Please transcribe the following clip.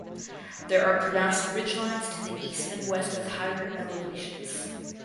There are pronounced ridgelines to the east and west with higher elevations.